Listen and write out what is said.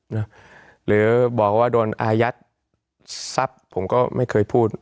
หรือบอกว่าโดนอายัดทรัพย์ผมก็ไม่เคยพูด